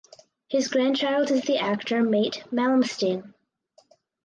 His grandchild is the actor Mait Malmsten.